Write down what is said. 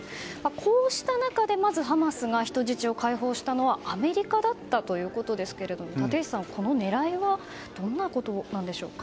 こうした中で、まずハマスが人質を解放したのはアメリカだったということですが立石さん、この狙いはどんなことなんでしょうか。